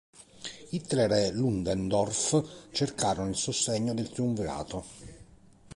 Hitler e Ludendorff cercarono il sostegno del "triumvirato".